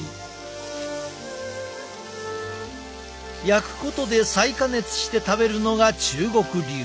焼くことで再加熱して食べるのが中国流。